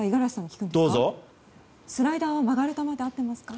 スライダーは曲がる球であってますか？